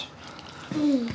うん。